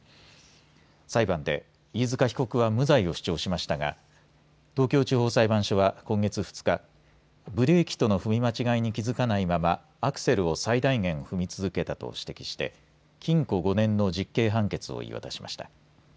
裁判で飯塚被告は無罪を主張しましたが東京地方裁判所は今月２日、ブレーキとの踏み間違いに気付かないままアクセルを最大限踏み続けたと指摘して禁錮５年の実刑判決を言い渡しました。